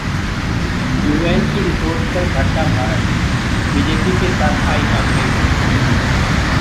UN की report पर भड़का भारत, बीजेपी के साथ आई कांग्रेस